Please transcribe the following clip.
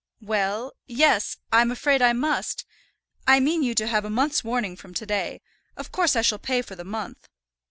"Well, yes, I'm afraid I must. I meant you to have a month's warning from to day. Of course I shall pay for the month."